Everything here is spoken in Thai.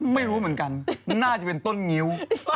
ไม่รู้เหมือนกันน่าจะเป็นต้นงิ้ว